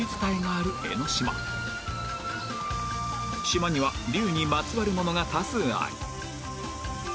島には龍にまつわるものが多数あり